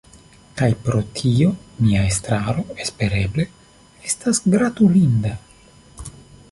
Kaj pro tio nia estraro espereble estas gratulinda.